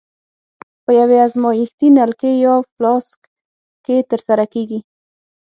په یوې ازمایښتي نلکې یا فلاسک کې ترسره کیږي.